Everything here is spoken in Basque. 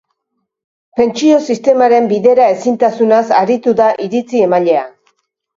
Pentsio sistemaren bideraezintasunaz aritu da iritzi emailea.